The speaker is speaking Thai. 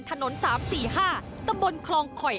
ถนน๓๔๕ตำบลคลองคอย